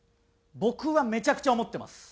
僕はめちゃくちゃ思ってます。